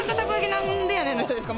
何でやねんの人ですか？